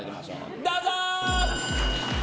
どうぞ！